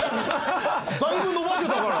だいぶ伸ばしてたから。